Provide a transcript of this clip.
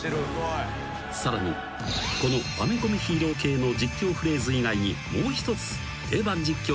［さらにこのアメコミヒーロー系の実況フレーズ以外にもう一つ定番実況が生まれる］